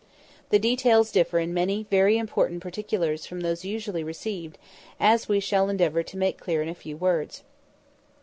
The details differ in many very important particulars from those usually received, as we shall endeavour to make clear in a few words.